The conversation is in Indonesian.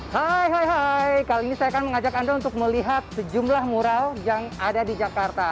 hai hai hai kali ini saya akan mengajak anda untuk melihat sejumlah mural yang ada di jakarta